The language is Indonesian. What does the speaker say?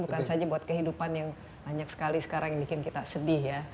bukan saja buat kehidupan yang banyak sekali sekarang yang bikin kita sedih ya